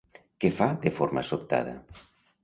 Què fa de forma sobtada?